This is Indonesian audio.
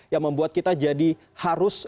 yang membuat kita jadi harus